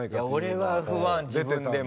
俺は不安自分でも。